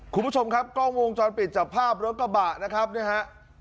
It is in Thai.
คุณผู้ชมครับกล้องวงจรปิดจับภาพรถกระบะนะครับเนี่ยฮะ